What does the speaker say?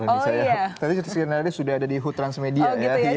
ternyata rizky renardi sudah ada di hut transmedia